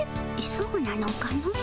そうなのかの。